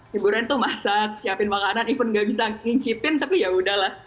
hiburan tuh masak siapin makanan even gak bisa ngincipin tapi ya udahlah